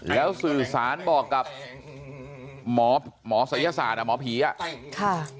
แล้วสื่อสารบอกกับหมอศัยยศาสตร์อะหมอผีอะ